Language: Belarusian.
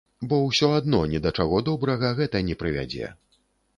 Бо ўсё адно ні да чаго добрага гэта не прывядзе.